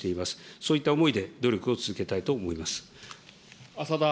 そういった思いで努力を続けたいと思います。